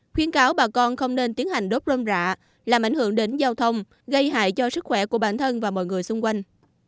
khuyến cáo bà con không nên tiến hành đốt rơm rạ làm ảnh hưởng đến giao thông gây hại cho sức khỏe của bản thân và mọi người xung quanh